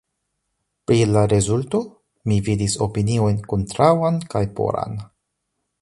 Pri la rezulto mi vidis opiniojn kontraŭan kaj poran.